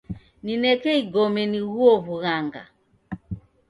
Nineka igome nighuo wughanga